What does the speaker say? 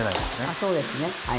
そうですねはい。